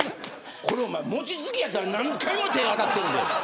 これ、餅つきやったら何回も手が当たってるで。